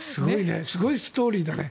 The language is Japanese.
すごいストーリーだね。